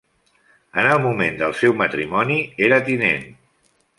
En el moment del seu matrimoni era tinent.